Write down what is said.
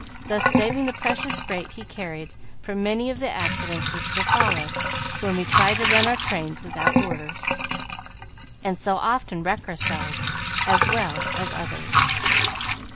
thus saving the precious freight he carried from many of the accidents which befall us when we try to run our trains without orders, and so often wreck ourselves as well as others.